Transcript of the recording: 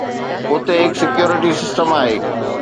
اتي هڪ security system آهي.